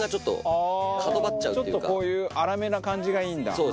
ちょっとこういう粗めな感じがいいんだ。